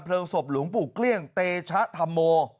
เพลิงศพหลวงปู่เกลี้ยงเตชะธัมโม